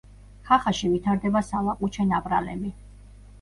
ხახაში ვითარდება სალაყუჩე ნაპრალები.